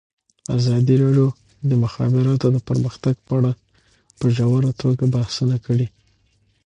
ازادي راډیو د د مخابراتو پرمختګ په اړه په ژوره توګه بحثونه کړي.